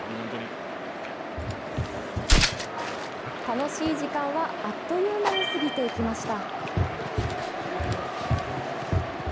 楽しい時間は、あっという間に過ぎていきました。